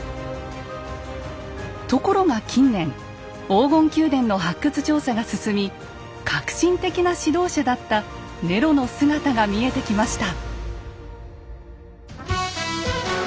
ところが近年黄金宮殿の発掘調査が進み革新的な指導者だったネロの姿が見えてきました。